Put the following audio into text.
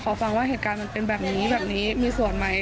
ขอฟังว่าเหตุการณ์มันเป็นแบบนี้มีส่วนบ้างไหม